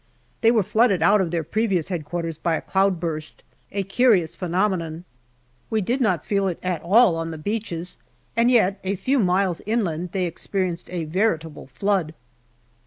They were flooded out of their previous Headquarters by a cloud burst a curious phenomenon. We did not feel it at all on the beaches, and yet a few miles inland they experienced a veritable flood.